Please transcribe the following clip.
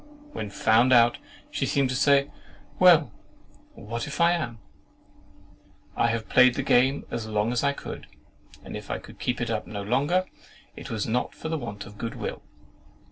When found out, she seemed to say, "Well, what if I am? I have played the game as long as I could; and if I could keep it up no longer, it was not for want of good will!"